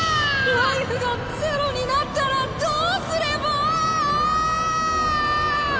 ライフがゼロになったらどうすれば！！